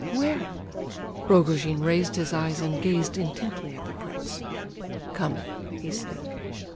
"Where?" Rogojin raised his eyes and gazed intently at the prince. "Come," he said.